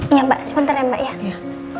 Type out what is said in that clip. iya mbak sebentar ya mbak ya